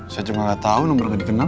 saya cuma gak tau nomornya dikenal